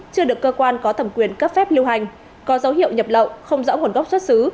chưa được cơ quan có thẩm quyền cấp phép lưu hành có dấu hiệu nhập lậu không rõ nguồn gốc xuất xứ